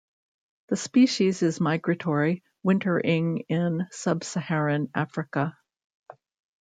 The species is migratory, wintering in sub-Saharan Africa.